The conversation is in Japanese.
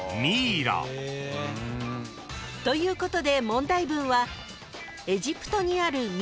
［ということで問題文は］